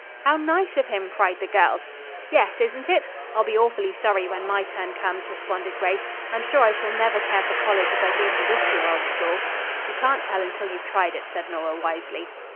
"How nice of him," cried the girls. "Yes, isn't it! I'll be awfully sorry when my turn comes," responded Grace. "I'm sure I shall never care for college as I do for this dear old school." "You can't tell until you've tried it," said Nora wisely.